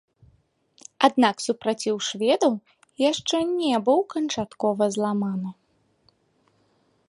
Аднак супраціў шведаў яшчэ не быў канчаткова зламаны.